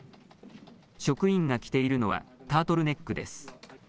職員が着ているのはタートルネックです。